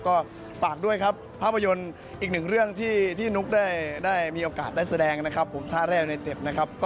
ก็ฝากด้วยภาพยนตร์อีกหนึ่งเรื่องที่นุกได้มีโอกาสได้แสดงท่าแรกในเต็ป